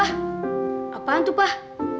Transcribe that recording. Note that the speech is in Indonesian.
wah apaan tuh pak